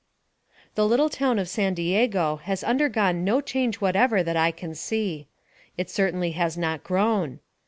The little town of San Diego has undergone no change whatever that I can see. It certainly has not grown.